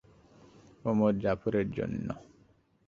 ওমর জাফরের জন্য।